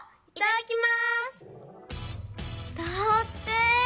だって！